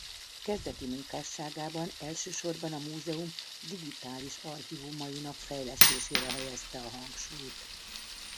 Kezdeti munkásságában elsősorban a múzeum digitális archívumainak fejlesztésére helyezte a hangsúlyt.